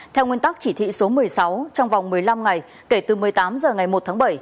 theo nguyên tắc chỉ thị số một mươi sáu trong vòng một mươi năm ngày kể từ một mươi tám h ngày một tháng bảy